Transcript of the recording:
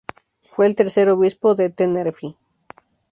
Fue el tercer obispo de Tenerife.